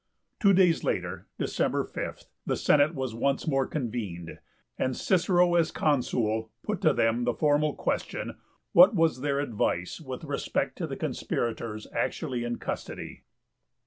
Two days later (December 5) the Senate was once more convened, and Cicero as Consul put to them the formal question, 'what was their advice with respect to the conspirators actually in custody?'